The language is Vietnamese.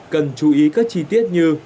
cần chú ý các chi tiết như